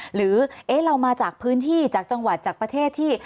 หรือเรามาจากพื้นที่จากจังหวัดจากประเทศที่